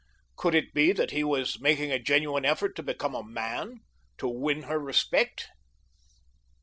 Could it be that he was making a genuine effort to become a man—to win her respect?